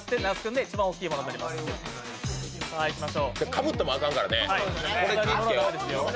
かぶってもアカンからね。